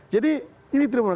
jadi ini tidak mau